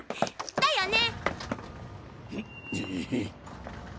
だよね！